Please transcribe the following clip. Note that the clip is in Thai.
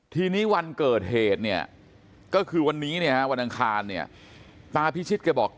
ทีนี้วันเกิดเหตุเนี่ยก็คือวันนี้เนี่ยฮะวันอังคารเนี่ยตาพิชิตแกบอก